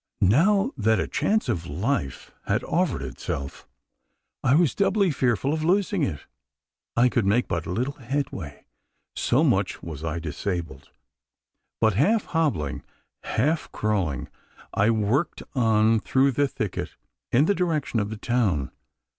Now that a chance of life had offered itself, I was doubly fearful of losing it. I could make but little headway so much was I disabled but half hobbling, half crawling, I worked on through the thicket in the direction of the town.